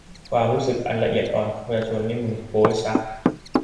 ความรู้สึกอันละเอียดอ่อนของประชาชนนี่มึงโบ้ยช่ะ